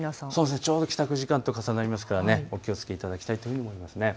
ちょうど帰宅時間と重なりますからお気をつけいただきたいと思います。